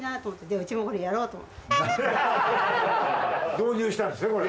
導入したんですねこれ。